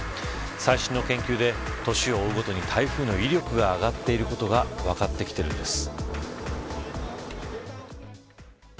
最新の研究で、年を追うごとに台風の威力が上がっていることが分かってきているんです。